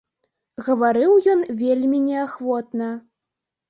Гаварыў ён вельмі неахвотна.